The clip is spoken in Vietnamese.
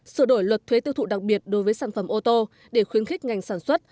sửa đổi luật thuế tiêu thụ đặc biệt đối với sản phẩm ô tô để khuyến khích ngành sản xuất